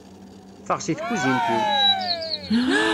Ffeɣ si tkuzint-iw!